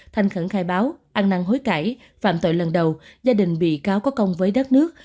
thanh khẩn khai báo ăn năng hối cãi phạm tội lần đầu gia đình bị cáo có công với đất nước